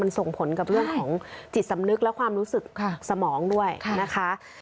ส่งผลกับเรื่องของจิตสำนึกและความรู้สึกสมองด้วยนะคะ